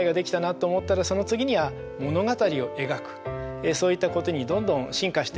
そういったことにどんどん進化していけると思います。